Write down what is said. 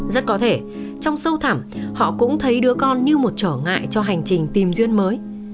rất có thể trong sâu thẳm họ cũng thấy đứa con như một trở ngại cho hành trình tìm duyên mới